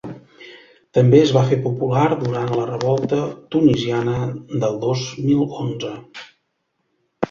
També es va fer popular durant la revolta tunisiana del dos mil onze.